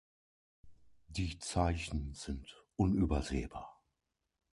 Die Zeichen sind unübersehbar.